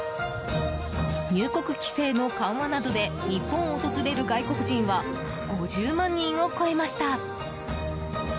入国規制の緩和などで日本を訪れる外国人は５０万人を超えました。